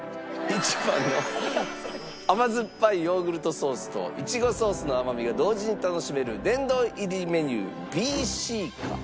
１番の甘酸っぱいヨーグルトソースといちごソースの甘みが同時に楽しめる殿堂入りメニューＢＣか？